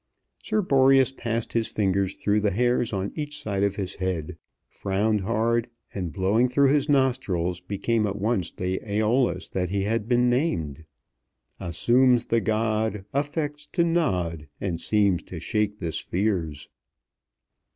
Sir Boreas passed his fingers through the hairs on each side of his head, frowned hard, and, blowing through his nostrils, became at once the Æolus that he had been named; Assumes the god, Affects to nod, And seems to shake the spheres.